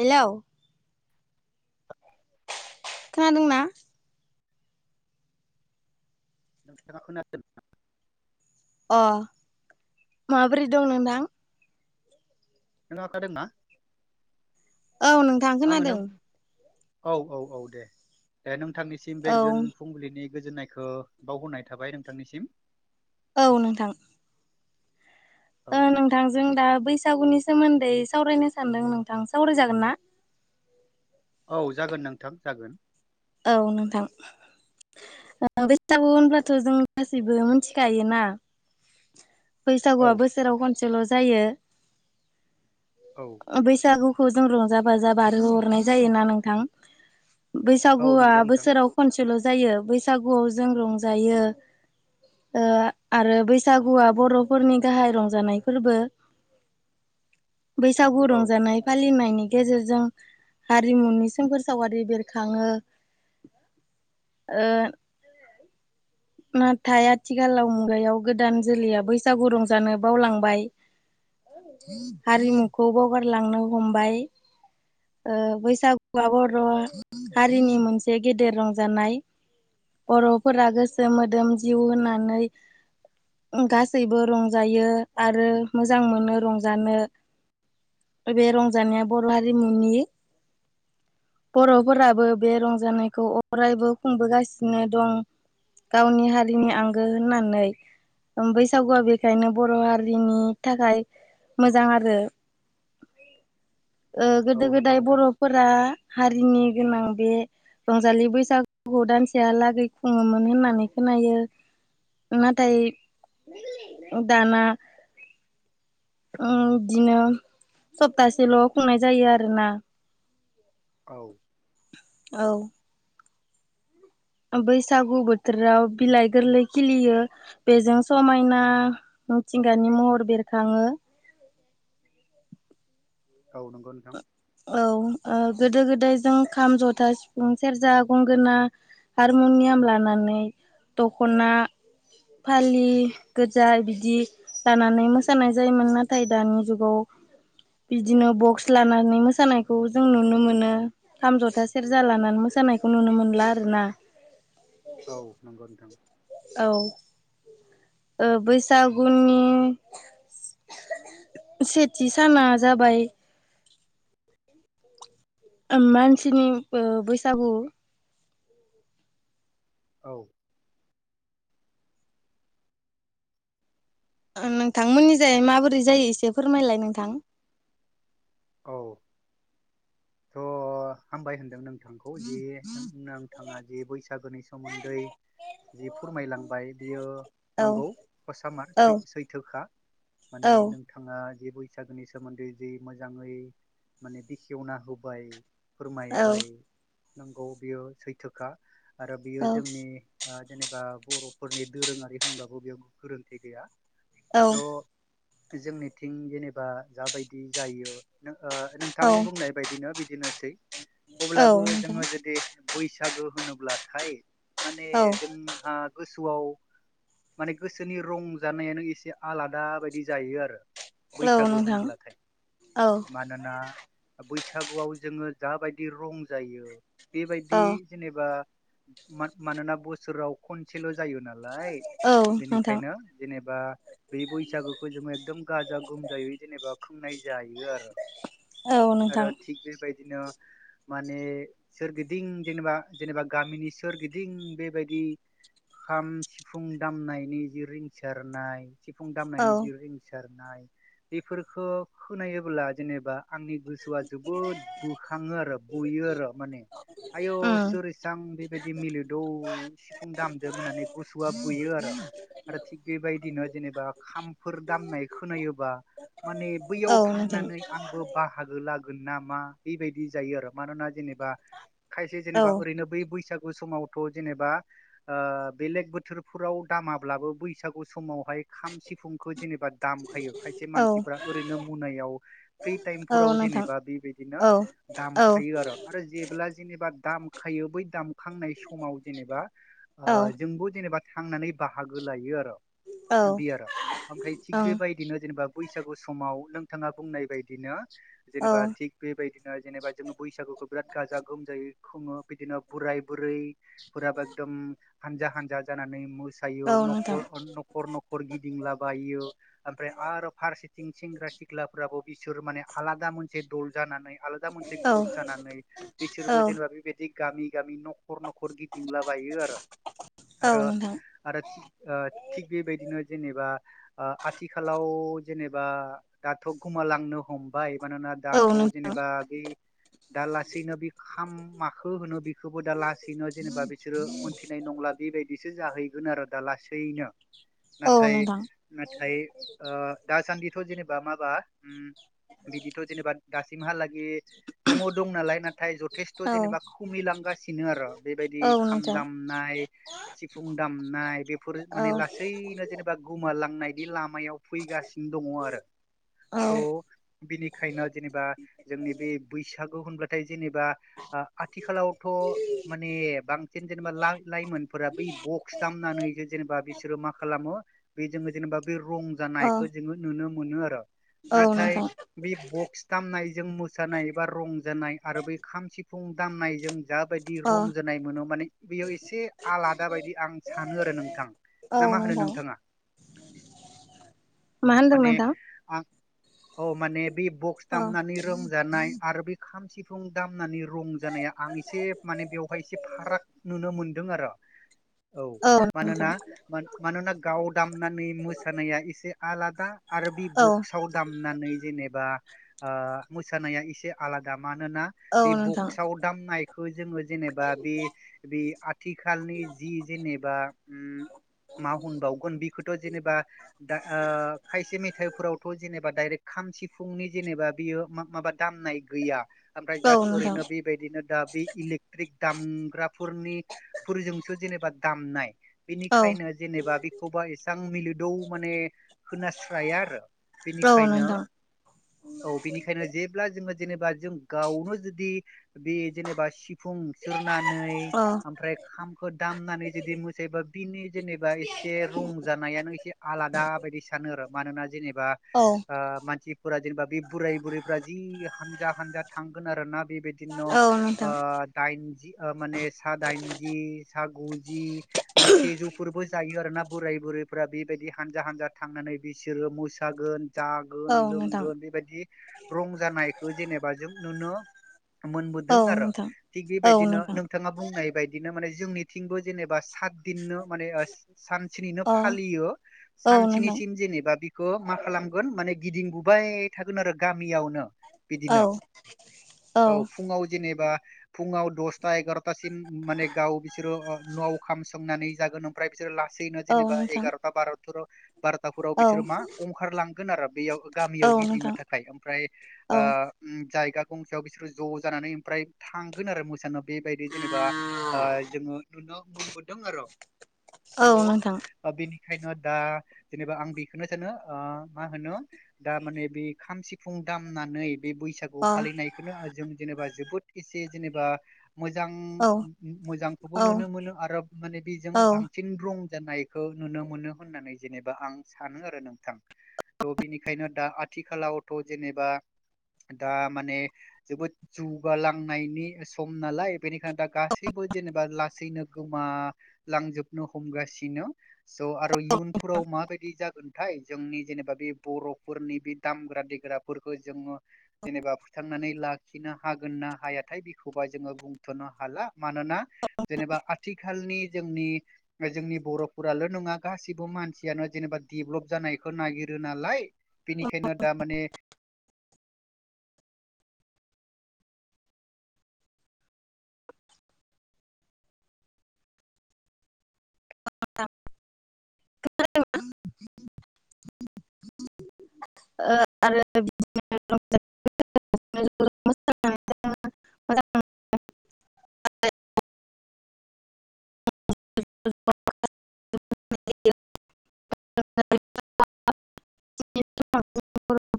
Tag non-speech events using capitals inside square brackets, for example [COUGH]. हेल' खोनादोंना? [UNINTELLIGIBLE] अ माबोरै दं नोंथां? नों [UNINTELLIGIBLE] ना औ नोंथां आङो खोनादों। औ औ औ दे दे नोंथांनिसिम औ बेजोन फुंबिलिनि गोजोन्नायखौ बावहरनाय थाबाय नोंथांनिसिम। औ नोंथां। औ ओं नोंथांजों दा बैसागुनि सोमोन्दै सावरायनो सानदों नोंथां सावरायजागोन ना? औ जागोन नोंथां जागोन। औ नोंथां। ओ बैसागो होनब्लाथ' जों गासैबो मिथिखायोना औ बैसागुआ बोसोराव खनसेल' जायो। औ बैसागुखौ जों रंजा बाजा बारहोहरनाय जायोना नोंथां। औ बैसागुआ नंगौ नोंथां बोसोराव खनसेल' जायो बैसागुआव जों रंजायो ओ आरो बै सागुआ बर'फोरनि गाहाय रंजानाय फोरबो। बैसागु औ रंजानाय फालिनायनि गेजेरजों हारिमुनि सोमखोर सावारि बेरखाङो। ओ नाथाय आथिखालाव मुगायाव गोदान जोलैया बैसागु रंजानो बावलांबाय। हारिमुखौ बावगारलांनो हमबाय। ओ बैसागुआ बर' हारिनि मोनसे गेदेर रंजानाय। बर'फोरा गोसो मोदोम जिउ होननानै गासैबो रंजायो आरो मोजां मोनो रंजानो। बे रंजानाया बर' हारिमुनि बर'फोराबो बे रंजानायखौ अरायबो खुंबोगासिनो दं। गावनि औ हारिनि आंगो होननानै। उम बैसागुआ बेखायनो बर' हारिनि थाखाय मोजां आरो। ओ औ गोदो नंगौ गोदाय नोंथां बर'फोरा हारिनि गोनां बे रंजालि बैसागु दान सेयालागै खुङोमोन होननानै खोनायो। नाथाय दाना ओ बिदिनो सप्तासेल' खुंनाय जायो आरोना औ औ बैसागु बोथोराव बिलाइ गोरलै खिलियो बेजों समायना मिथिंगानि महर बेरखाङो। औ नंगौ नोंथां। औ ओ गोदो गोदाय जों खाम जथा सिफुं सेरजा गंगोना हारम'नियाम लाना नै दख'ना फालि गोजा बिदि लानानै मोसानाय जायोमोन नाथाय दानि जुगाव बिदिनो बक्स लानानै मोसानायखौ जों नुनो मोनो खाम जथा सेरजा लानानै मोसानायखौ नुनो मोनला आरोना। औ औ नंगौ नोंथां। औ ओ बैसागुनि सेथि साना जाबाय मानसिनि ओ बैसागु औ नोंथांमोननिजाय माबोरै जायो एसे फोरमायलाय नोंथां? औ थ' हामबाय होनदों नों थांखौ जे नो नोंथांङा जे बैसागोनि सोमोन्दै जि फोरमायलांबाय बियो औ नंगौ हसामार औ सैथोखा। औ माने नोंथाङा जि बैसागोनि सोमोन्दै जि मोजाङै माने बेखेवना होबाय फोरमायबाय नंगौ बियो सैथोखा आरो औ बियो जोंनि ओ जेनेबा बर'फोरनि दोरोङारि होनबाबो बेयाव गोरोन्थि गैया। औ स' जोंनिथिं जेनेबा जाबायदि जायो नों ओ औ नोंथां बुंनाय बायदिनो बिदिनोसै औ अब्लाबो नोंथां जोङो जुदि बैसागो होनोब्लाथाय माने औ जोंहा गोसो बुथुआव माने गोसोनि रंजानायानो एसे आलादा बायदि जायो आरो औ बैसागो नोंथां होनब्लाथाय औ मानोना बैसागुआव जोङो जाबायदि रं जायो औ बेबायदि जेनेबा मानोना बोसोराव खनसेल' जायो नालाय औ नोंथां बेनिखायनो जेनेबा बे बैसागुखौ जोङो एकदम गाजा गोमजायै जेनेबा खोंनाय जायो आरो औ नोंथां आरो थिग बेबायदिनो माने सोरगिदिं जेनेबा जेनेबा गामिनि सोरगिदिं बेबायदि खाम सिफुं दामनायनि जि रिंसारनाय सिफुं औ दामनायनि जि रिंसारनाय बेफोरखौ खोनायोब्ला जेनेबा आंनि बुथुवआ जोबोद बोखाङो आरो बुयो आरो माने आयौ उम सोर इसां बेबायदि मिलोदौ सिफुं दामदों होननानै गुसुआ बुयो द आरो [INAUDIBLE] आरो थिग बेबायदिनो जेनेबा खामफोर दामनाय खोनायोबा माने औ बैयाव नोंथां थांनानै आंबो बाहागो लागौ मा बेबाय जायो आरो मानोना जेनेबा खायसे औ जबा ओैनो बे बैसागु समावथ' जेनेबाओ बेलेग बोथोरफोराव दामाब्लाबो बैसागु समाव फाय खाम सिफुंखौ जेनेबा दामखायो खायसे औ मानसिफोरा ओरैनो मुनायाव फ्रि थाइम औ फोराव नोंथां जेनेबा बेबायदिनो औ औ दामखायो आरो आरो जेब्ला जेनेबा दामखायो बै दाम खांनाय समाव जेनेबा जोंबो जेनेबा थांनानै बाहागो लायो आरो ओं बि आरो ओमफ्राय थिग बेबायदिनो जेनेबा बैसागु समाव नोंथाङा बुंनाय बायदिनो जेनेबा थिग बेबायदिनो जेनेबा जोङो बैसागुखौ बिराद गाजा गोमजायै खुङो बिदिनो बोराय बुरैफोराबो एकदम हानजा हानजा ज जानानै मोसायो औ नोंथां न न'खर गिदिंला बायो आमफ्राय आरो फारसेथिं सेंग्रा सिख्लाफ्राबो बिसोर माने आलादा मोनसे दल जानानै आलादा मोनसे औ ग्रुप जानानै औ बिसोरबो जेनेबा बेबायदि गामि गामि न'खर न'खर गिदिंलाबायो आरो औ आरो नोंथां आरो थिग थिग बेबायदिनो जेनेबा आथिखालाव जेनेबा दाथ' गोमालांनो हमबाय मानोना औ दाथ' नों जेनेबा बे दा लासैनो बे खाम माखो होनो बे हबो दा लासैनो जेनेबा बिसोरो मोन्थिनाय नंला बेबायदिसो जाहैगोन आरो दा लासैनो औ नाथाय नोंथां नाथाय ओ दासान्दिथ' जेनेबा माबा उम बिदिथ' जेनेबा दासिमहालागै दङ दं नालाय नाथाय जथ जथेस्थ' औ जेनेबा खुमैलांगासिनो आरो बेबायदि औ खाम नोंथां दामनाय सिफुं दामनाय बेफोर औ माने लासैनो जेनेबा गोमालाां नांनायनि लामायाव फैगासिनो दङ आरो स' औ बिनिखायनो जेनेबा जोंनि बे बैसागु होनबाथाय जेनेबा आ आथिखालावथ' माने बांसिन जेनेबा ला लाइमोनफोरा बै ब बक्स दामनानै जे जेनेबा बिसोरो मा खालामो बे जोङो जेनेबा बे रं अ जानायखौ जोङो नुनो मोनो आरो औ नाथाय नोंथां बे बक्स दामनायजों मोसानाय बा रंजानाय आरो बै खाम सिफुं दामनायजों दाबायदि अ रंजोनाय मोनो माने बेयो एसे आलादा बायदि आं सानो आरो नोंथां औ ना मा होनो नोंथां नोंथाङा मा होनदों माने नोंथां आं औ माने बे बक्स अ दामनानै रोंजानाय आरो बे खाम सिफुं सिफुं दामनानै रं जानाया आं एसे माने बेवहाय एसे फाराग नुनो मोनदों आरो औ मानोना मानोना गाव दामनानै मोसानाया एसे आला दा आरो बे औ औ बक्सआव दामनानै जेनेबा आ मोसानाया एसे आलादा मानोना बे नोंथां बक्सआव दामनायखौ जोङो जेनेबा बे बे आथिखालनि जि जेनेबा उम मा होनबावगोन बेखौथ' जेनेबा दा ओ खायसे मेथाइफोरावथ' जेनेबा डाइरेक्ट खाम सिफुंनि जेनेबा बियो मा माबा दामनाय गैया ओमफ्राय औ जास्ट नोंथां ओरैनो बेबायदिनो दा बे इलेक्ट्रिक दामग्राफोरनि फोरजोंसो जेने बा दामनाय औ बेनिखायनो जेनेबा बेखौबा एसेबां मिलोदौ माने खोनास्राया आरो औ बेनिखायनो नोंथां औ बेनिखायनो जेब्ला जोङो जेनेबा जों गावनो जुदि बे जेनेबा सिफुं सुरनानै औ ओमफ्राय खामखौ दामनानै जुदि मोसायोबा बिनि जेनेबा एसे रं जानायानो एसे आलादा बायदि सानो आरो मानोना जेनेबा औ आ मानसि जबे बुराय बुरैफोरा जि हानजा हानजा थांगोन आरो ना बेबायदिनो औ ओ नोंथां दाइन माने सादाइनजि सा गुजि माने सेजौफोरबो जायो आरो ना बोराय बुरै फोरा बेबायदि हानजा हानजा थांनानै बिसोरो मोसागोन जागोन औ लों नोंथां बेबायदि रं जानायखौ जेनेबा जों नुनो मोनबोदों औ आरो नोंथां थिग औ बेबायदिनो नोंथां नोंथाङा बुंनाय बायदिनो माने जोंनिथिंबो जेनेबा सातदिननो माने ओ सानसेनिनो अ फालियो औ नोंथां सानसेनिसिम जेनेबा बि बिखौ मा खालामगोन माने गिदिंबोबाय थागोन आरो गामियावनो बिदिनो औ औ फुङाव जेनेबा फुङाव दसथा एगार'था सिम माने गाव बिसोर' ओ न'आव खाम संनानै जोगोन आमफ्राय बिसोरो ला लाासैनो औ जेनेबा नोंथां एगार'था बार' बार'थाफोराव बिसोरो औ मा ओंखारलांगोन आरो बेयाव याव औ गिदिंनो नोंथां थाखाय आमफ्राय आ औ उम जायगा गंसेायाव बिसोर ज' जानानै ओमफ्राय थांगोन आरो मोसानो बेबायदि जेनेबा आ जोङो नुनो मोनबोदों आरो औ नोंथां स' बेखायनो दा जेनेबा आं बेखौनो सानो मा होनो दा माने बे खाम सिफुं दामनानै बे बैसागु अ फालिनायखौनो जों जेनेबा जोबोद एसे जेनेबा मोजां औ मोजांखौबो औ नुनो मोनो आरो माने बेजों औ बांसिन रं जानायखौ नुनो मोनो होननानै जेनेबा आं सानो आरो नोंथां त बिनि बेखायनो दा आथिखालावथ' जेनेबा दा माने जोबोद जौगालांनायनि सम नालाय बेनिखायनो दा गासैबो जेनेबा लासैनो गोमा लांजोबनो हमगासिनो स' आरो इयुनफोराव माबायदि जागोनथाय जोंनि जेनेबा बे बर'फोरनि बे दामग्रा देग्राफोरखौ जोङो जेनेबा फोथांनानै लाखिनो हागोन ना हायाथाय बेखौबा जोङो बुंथ'नो हाला मानोना जेनेबा आथिख खालनि जोंनि जोंनि बर'फोराल' नङा गासिबो मानसियानो जेनेबा देभलप जानाय नागिरो नालाय बेनिखायनो दा माने [UNINTELLIGIBLE] ओ आरो बिदिनो [UNINTELLIGIBLE] [UNINTELLIGIBLE] [UNINTELLIGIBLE]